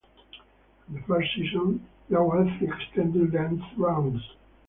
In the first season, there were three extended-length rounds.